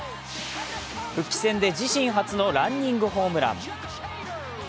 復帰戦で自身初のランニングホームラン。